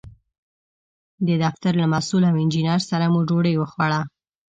د دفتر له مسوول او انجینر سره مو ډوډۍ وخوړه.